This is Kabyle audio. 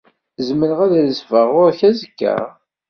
Zemreɣ ad d-rezfeɣ ɣer-k azekka?